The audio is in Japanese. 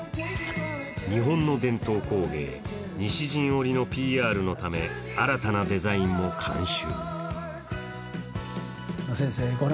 日本の伝統工芸、西陣織のＰＲのため、新たなデザインも監修。